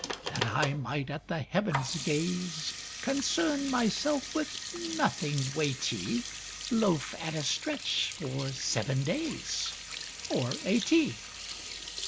That I might at the heavens gaze, Concern myself with nothing weighty, Loaf, at a stretch, for seven days Or eighty.